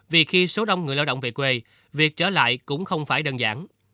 vì khi số đông người lao động về quê việc trở lại cũng không phải đơn giản